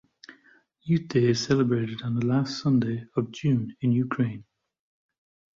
Youth Day is celebrated on the last Sunday of June in Ukraine.